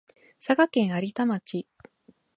佐賀県有田町